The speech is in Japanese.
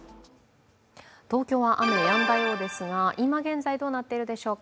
東京は雨がやんだようですが今現在どうなっているでしょうか。